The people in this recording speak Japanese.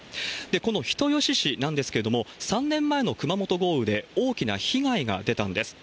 この人吉市なんですけれども、３年前の熊本豪雨で大きな被害が出たんです。